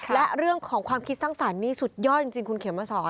และเรื่องของความคิดสร้างสรรค์นี่สุดยอดจริงคุณเขมมาสอน